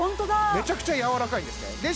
めちゃくちゃやわらかいんですねで